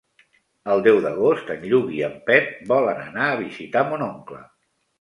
El deu d'agost en Lluc i en Pep volen anar a visitar mon oncle.